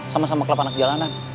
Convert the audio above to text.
sama sama klub anak jalanan